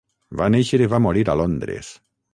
Va néixer i va morir a Londres.